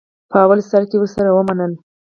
په لومړي سر کې ورسره ومنله.